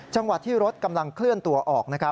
จังหวัดที่รถกำลังเคลื่อนตัวออก